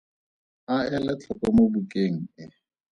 A ele tlhoko mo bukeng e.